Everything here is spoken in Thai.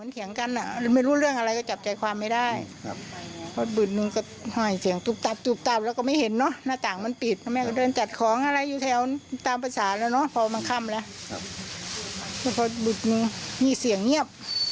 ตามรถกูชีพมาให้จำตามรถกูชีพให้หน่อย